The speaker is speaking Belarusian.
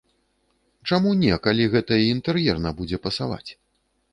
Чаму не, калі гэта і інтэр'ерна будзе пасаваць?